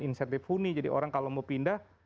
insentif huni jadi orang kalau mau pindah